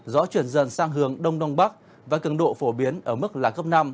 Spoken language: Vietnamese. gió chuyển dần sang hướng đông đông bắc và cường độ phổ biến ở mức là cấp năm